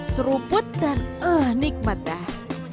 seruput dan nikmat dah